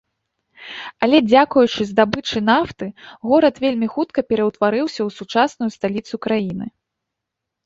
Але дзякуючы здабычы нафты, горад вельмі хутка пераўтварыўся ў сучасную сталіцу краіны.